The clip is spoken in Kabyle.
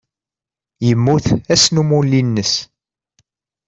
Yemmut ass n umulli-ines.